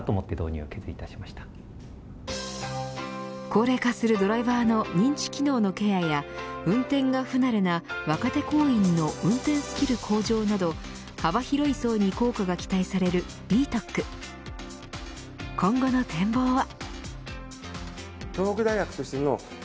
高齢化するドライバーの認知機能のケアや運転が不慣れな若手行員の運転スキル向上など幅広い層に効果が期待されるＢＴＯＣ今後の展望は。